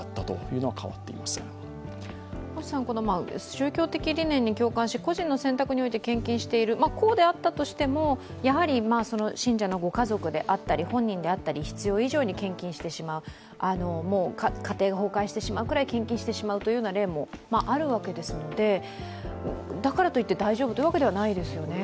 宗教的理念に共感し個人の理念によって献金している、こうであったとしてもやはり、信者のご家族であったり本人であったり必要以上に献金してしまう家庭が崩壊してしまうぐらい献金してしまうという例もあるわけですのでだからといって大丈夫というわけではないですよね？